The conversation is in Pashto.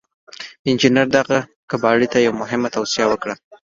انجنير دغه کباړي ته يوه مهمه توصيه وکړه.